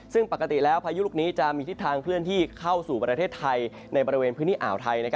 ซึ่งปกติแล้วพายุลูกนี้จะมีทิศทางเคลื่อนที่เข้าสู่ประเทศไทยในบริเวณพื้นที่อ่าวไทย